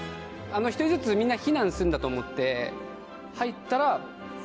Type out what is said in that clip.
１人ずつみんな避難するんだと思って入ったらこっちに来ましたね。